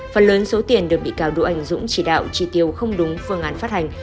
phần lớn số tiền được bị cáo đỗ anh dũng chỉ đạo tri tiêu không đúng phương án phát hành